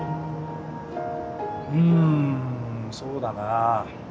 うんそうだな。